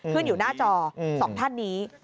ขึ้นอยู่หน้าจอ๒ท่านนี้